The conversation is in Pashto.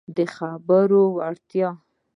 د خبرو وړتیا